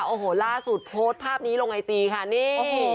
โอ้โหล่าสุดโพสต์ภาพนี้ลงไอจีค่ะนี่โอ้โห